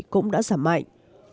cũng đã giảm mạnh